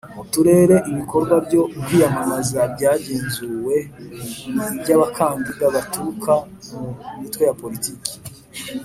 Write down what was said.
Mu turere ibikorwa byo kwiyamamaza byagenzuwe ni iby abakandida baturuka mu mitwe ya politiki